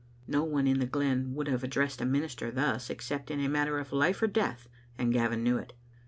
No one in the glen would have addressed a minister thus except in a matter of life or death, and Gavin knew it.